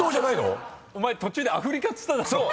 お前途中で「アフリカ」っつっただろ。